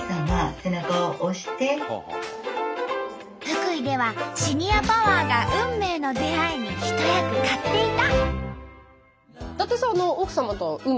福井ではシニアパワーが運命の出会いに一役買っていた。